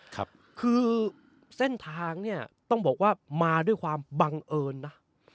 คือเส้นทางเนี่ยต้องบอกว่ามาด้วยความบังเอิญนะ